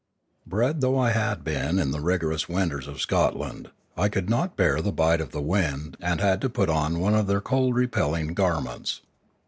Bred though I had been in the rigorous winters of Scotland, I could not bear the bite of the wind and had to put on one of their cold repelling garments.